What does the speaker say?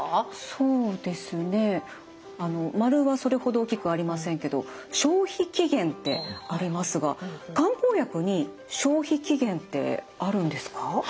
そうですね円はそれほど大きくありませんけど「消費期限」ってありますが漢方薬に消費期限ってあるんですか？